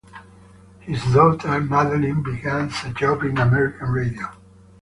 His daughter, Madeline, begins a job in American radio.